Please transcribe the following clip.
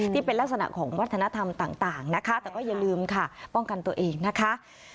ที่เป็นลักษณะของวัฒนธรรมต่างนะคะแต่ก็อย่าลืมค่ะป้องกันตัวเองนะคะ